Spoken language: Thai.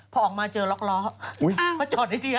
พอออกมาเจอรอกมาจอดไอ้เดีย